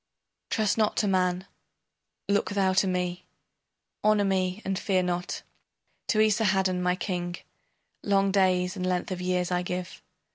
Trust not to man, look thou to me Honor me and fear not. To Esarhaddon, my king, Long days and length of years I give.